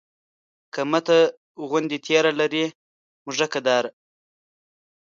که مته غوندې تېره لري مږک داړه